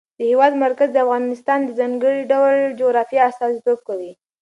د هېواد مرکز د افغانستان د ځانګړي ډول جغرافیه استازیتوب کوي.